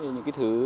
những cái thứ